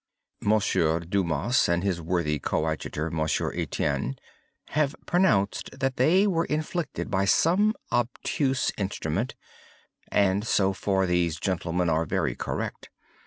Monsieur Dumas, and his worthy coadjutor Monsieur Etienne, have pronounced that they were inflicted by some obtuse instrument; and so far these gentlemen are very correct.